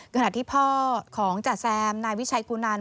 ขณะที่พ่อของจ๋าแซมนายวิชัยกูนัน